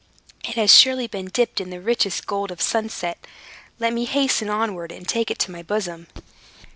"It has surely been dipped in the richest gold of sunset. Let me hasten onward, and take it to my bosom."